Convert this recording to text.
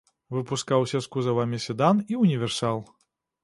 Выпускаўся з кузавамі седан і ўніверсал.